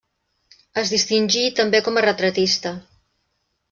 Es distingí també com a retratista.